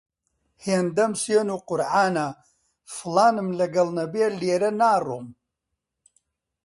هێندەم سوێند و قورعانە، فڵانم لەگەڵ نەبێ لێرە ناڕۆم